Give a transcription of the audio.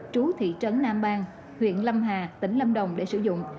trú thị trấn nam bang huyện lâm hà tỉnh lâm đồng để sử dụng